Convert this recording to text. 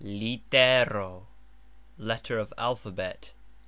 litero : letter of alphabet.